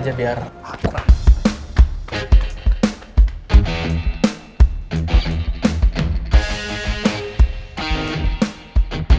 jadi aku akan ke sana malah nanti